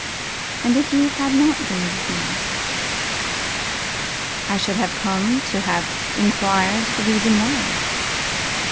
'And if you had not dreamt of me?' 'I should have come to have enquired the reason why.